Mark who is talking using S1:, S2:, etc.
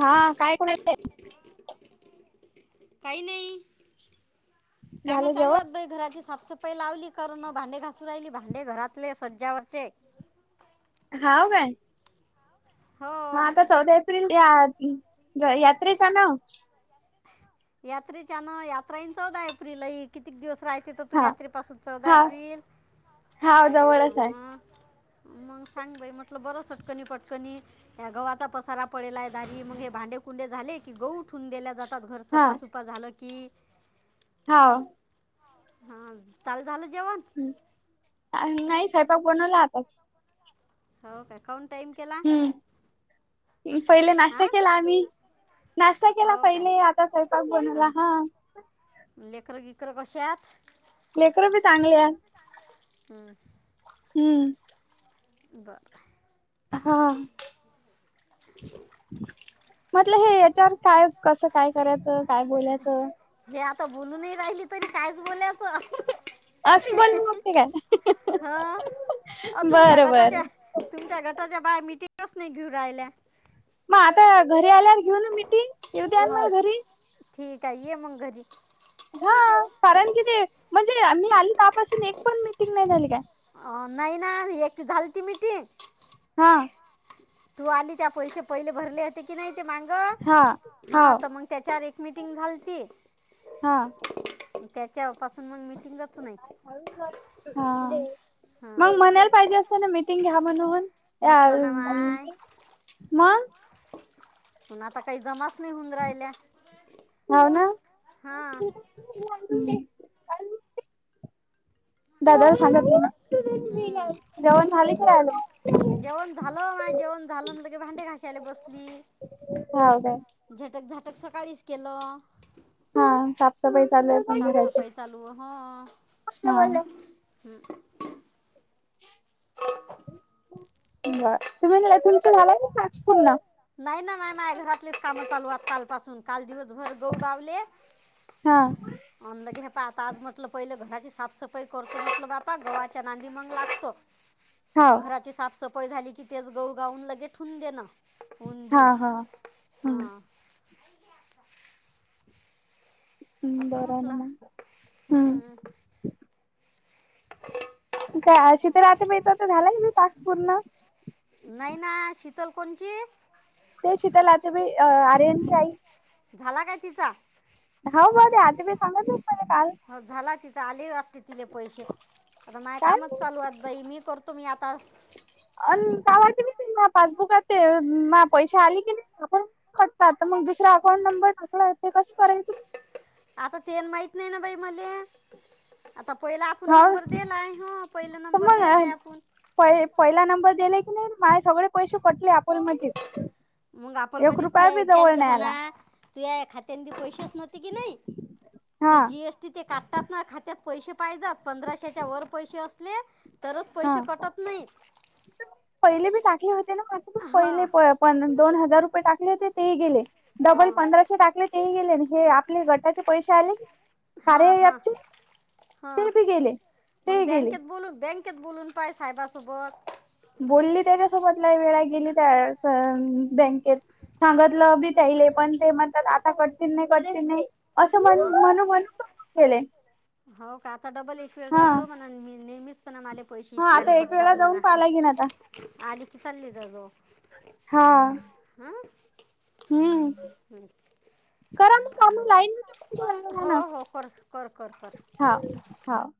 S1: हा का ऐकू नाही येत हे!
S2: [inaudible] काही नाही, काम
S1: झालं
S2: चालू
S1: जेवण
S2: आहत बाई घराची साप सफाई लावली करण भांडे घासू राहिली, भांडे घरातले सज्जावरचे.
S1: हाव काय!
S2: हो
S1: हा आता चौदा एप्रिल या-यात्रेचा ना!
S2: यात्रेच्यान यात्रायीन चौदा एप्रिला एक. कितीक दिवस राहते त तिथून
S1: हा
S2: यात्रेपासून चौदा एप्रिल
S1: हाव जवळच आहे.
S2: मंग सांग बाई म्हटलं बरं सटकणी पटकनी. या गव्हा चा पसारा पडेलाय आहे दारी, मग हे भांडे कुंडे झाले की गहू ठून देल्या जात आताच घर
S1: हा
S2: सफासुफा झालं की!
S1: हाव!
S2: हा ताल झाल जेवन?
S1: नाही सैपाक बनवला आताच.
S2: हो काय काहून टाईम! केला
S1: हूं पहिले
S2: हां
S1: नाश्ता केला आम्ही. नाश्ता केला
S2: हो काय
S1: पहिले, आता स्वयंपाक बनवला
S2: हां
S1: हं!
S2: लेकरं बीकरं कशे आहात!
S1: लेकर बी चांगल्या.
S2: हूं!
S1: हू!
S2: ब!
S1: हा म्हतलं हे याच्यावर. काय कसं काय करायचं, काय बोलायचं.
S2: हे आता बोलूनही राहिली तरी कायच बोलायचं.
S1: अशी बोल मग ते काय
S2: हं अव तुमच्या
S1: बरं
S2: गटात यां!
S1: बरं
S2: तुमच्या गटाच्या बाया मिटिंगच नाही घेऊ राहिल्या!
S1: म अता घरी आल्यावर घेऊ न मिटिंग.
S2: ह ठीक आहे ये मंग घरी!
S1: हा कारण कि ते म्हणजे मी आली त्वापासून एक पण मीटिंग नाही झाली काय!
S2: अ नाही ना आधी एक झाल ती मीटिंग.
S1: हा.
S2: तू आली त्या पैसे पहिले भरले होते की नाही ते माग
S1: हा
S2: हा तर मग त्याच्यावर एक मिटिंग झालती.
S1: हा
S2: त्याच्यापासून मग मिटिंगच नाही.
S1: हा.
S2: हां
S1: मग म्हणाला पाहिजे असं ना मिटिंग घ्या म्हणून. या
S2: म्हटलं ना माय
S1: मंग.
S2: पून आता काही जमाच नाही होऊन राहिल्या.
S1: हाव ना
S2: हा.
S1: [inaudible] दादाला सांगायचं ना.
S2: हं.
S1: जेवण झाले की राहीले?
S2: जेवण झालं माय जेवण झालं न लगेच भांडे घाशयला बसली.
S1: हो का?
S2: झटक झटक सकाळीच केलं.
S1: हा. साफसफाई चालू आहे पण घराची.
S2: साफसफाई चालू
S1: हा.
S2: हम्.
S1: तुम्हाले तुमच झाला का टास्क पूर्ण?
S2: नाही ना माय माय घरातलेच कामं चालू आत काल पासून काल दिवसभर घऊ गावले.
S1: हा.
S2: आणल घे पा आता आज म्हटलं पहिलं घराची साफसफाई करतो म्हटलं बा पाक गव्हाच्या नांदी मंग लागतो. म्हटलं
S1: हाव
S2: घरात ची सापसफाई झाली की तेच गह गाऊन लगेच ठेवून देणं. उन
S1: हा
S2: दिऊन.
S1: हा हम्म
S2: हा.
S1: हम्म.
S2: असं
S1: बरा
S2: म्हटलं
S1: मंग. हम्म. काय अशी तर रात्री प्यायचा तर झाला तास पूर्ण.
S2: नाही ना शीतल कोणची?
S1: ते शीतल आत्याबाई अ आर्यनच्या आई.
S2: झाला काय तिचा.
S1: हवं बदे आत्याबाई सांगत होते काल.
S2: हो झाला तिच आली वाटते तिले पैशे. आता माय
S1: काय
S2: कामच
S1: माहित
S2: चालू आहेत बाई मी तुम्ही आता
S1: अन् का वाटते पासबुकात ते म पैसे आले की आपण खटतात मग दुसरा अकाउंट नंबर टाकाल म ते कस करायचं.
S2: आता ते अन् माहीत नायना बये मले. आता पहिला आपण
S1: हाव
S2: नंबर दिलाय हो पहिला नंबर दिलाय आपण.
S1: पहि-पहिला नंबर दिले की नाय माझे सगळे पैसे कटले अकाउंटमधीच.
S2: मग आपल मधे [unintelligible] हो
S1: आला
S2: ना. तूया खात्यांदी पैसेच नव्हते की नाही
S1: हा
S2: ते जीस तिथे काटात खात्यात पैसे पाहिजात पंधराशेच्या वर पैसे असले तरच
S1: हा
S2: पैशे कटत नाही.
S1: पहिले बी टाकले होते ना
S2: हां
S1: [unintelligible] पण दोन हजार रुपये टाकले होते तेही गेले. डबल
S2: हां
S1: पंधराशे टाकले तेही गेले. अन् आपले गटाचे पैशे आले.
S2: हा.
S1: कार्य
S2: हा.
S1: ॲपचे
S2: हा.
S1: ते बी गेले. ते
S2: मंग
S1: गेले
S2: बँकेत बोलून बँक केत बोलून पाय साहेबा सोबत.
S1: बोली त्याच्यासोबतला लय वेळा गेली त्यासंग बँकेत सांगतलं बी त्यायला पण ते म्हणतात आता कटिल नाय कटिल नाय असं म्हण म्हणू गेले
S2: हाव का? आता डबल एकवेळ
S1: हा
S2: जात जाऊ म्हणन मी नेहमीच पण माले पैशे
S1: हा
S2: इतकाली
S1: आता एक वेळा
S2: कटतात
S1: जाऊन
S2: म्हणा
S1: पाहा लागेन आता
S2: आले की चालले जात जावू
S1: हा, हं करम करू राहीली तु [unintelligible]
S2: हो हो कर, कर, कर, कर
S1: हा हा